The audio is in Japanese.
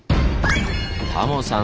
タモさん